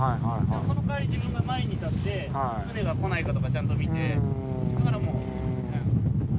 その代わり自分が前に立って船が来ないかとかちゃんと見て。